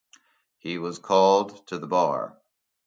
He was called to the bar.